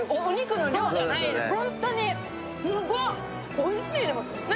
おいしい、でも。